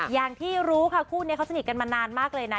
อย่างที่รู้ค่ะคู่นี้เขาสนิทกันมานานมากเลยนะ